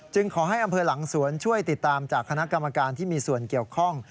ขอให้อำเภอหลังสวนช่วยติดตามจากคณะกรรมการที่มีส่วนเกี่ยวข้อง